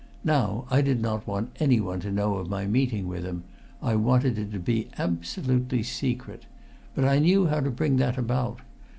Now, I did not want anyone to know of my meeting with him I wanted it to be absolutely secret. But I knew how to bring that about.